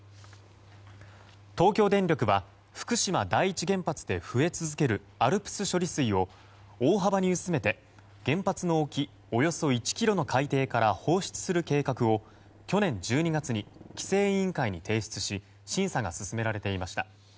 東京電力は福島第一原発で増え続けるＡＬＰＳ処理水を大幅に薄めて原発の沖およそ１ｋｍの海底から放出する計画を去年１２月に規制委員会に提出し審査が進められていました。